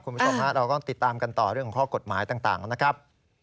คุณผู้ชมฮะเราต้องติดตามกันต่อเรื่องของข้อกฎหมายต่างนะครับ